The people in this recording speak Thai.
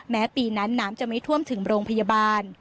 แม้ปีนั้นน้ำจะไม่ท่วมถึงโรงพยาบาล